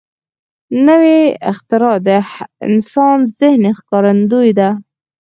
نوې اختراع د انسان ذهن ښکارندوی ده